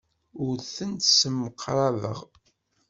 Ur tent-ssemqrabeɣ.